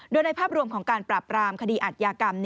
โดยในภาพรวมของการปราบรามคดีอัดยากรรม